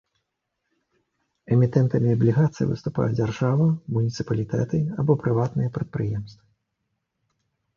Эмітэнтамі аблігацый выступае дзяржава, муніцыпалітэты або прыватныя прадпрыемствы.